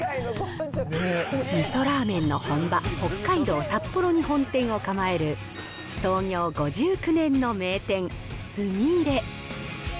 味噌ラーメンの本場、北海道札幌に本店を構える創業５９年の名店、すみれ。